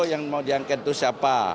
yang mau diangket itu siapa